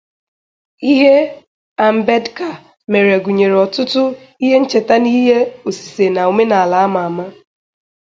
Ihe Ambedkar mere gunyere otutu ihe ncheta na ihe osise na omenaala ama ama.